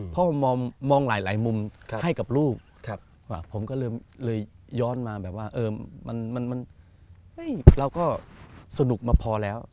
เพราะมองหลายมุมให้กับลูกผมก็เลยย้อนมาแบบว่าเราก็สนุกมาพอแล้ว